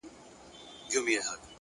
ښايستو کي خيالوري پيدا کيږي ـ